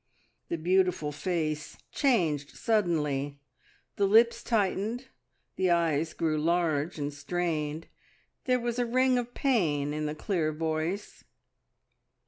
The beautiful face changed suddenly, the lips tightened, the eyes grew large and strained. There was a ring of pain in the clear voice.